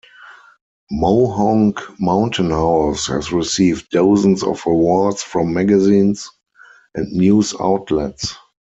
Mohonk Mountain House has received dozens of awards from magazines and news outlets.